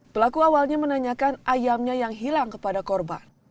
pelaku awalnya menanyakan ayamnya yang hilang kepada korban